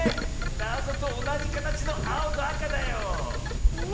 なぞとおなじかたちのあおとあかだよ。ね。